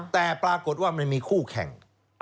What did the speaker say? แต่ปรากฏว่ามันมีคู่แข่ง